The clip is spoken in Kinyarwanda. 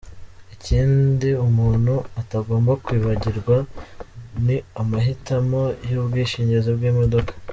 Ikindi umuntu atagomba kwibagirwa, ni amahitamo y’ubwishingizi bw’imodoka.